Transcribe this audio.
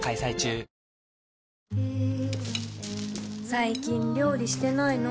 最近料理してないの？